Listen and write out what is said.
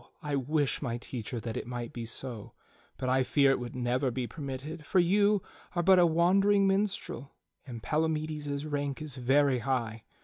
I wish, my teacher, that it might be so; but I fear it would never be permitted, for you are but a wandering minstrel and Palamides's rank is very high.